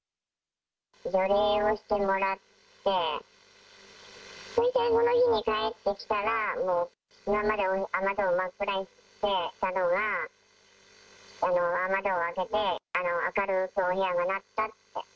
除霊をしてもらって、それでその日に帰ってきたら、もう、今まで雨戸を真っ暗にしていたのが、雨戸を開けて、明るくお部屋がなったって。